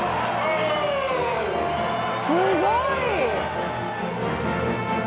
すごい！